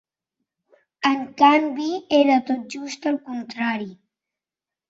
En canvi, era tot just el contrari.